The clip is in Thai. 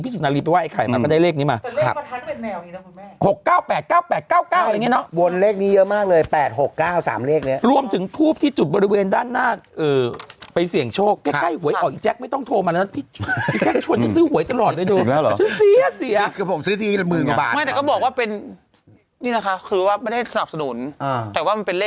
พี่สุนารีไปไหว้ไอ้ไข่มามันได้เลขนี้มาครับแต่เลขประทัดเป็นแนวนี้นะคุณแม่